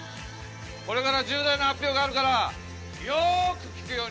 これから重大な発表があるからよーく聞くように。